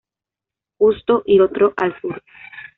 Justo y otro al sur.